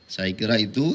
saya kira itu